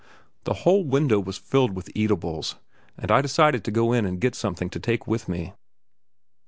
The whole window was filled with eatables, and I decided to go in and get something to take with me.